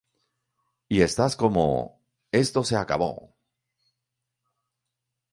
Y estás como, "esto se acabó.